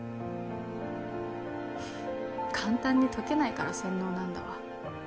簡単に解けないから洗脳なんだわ。